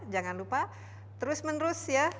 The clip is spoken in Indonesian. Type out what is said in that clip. jangan lupa terus menerus ya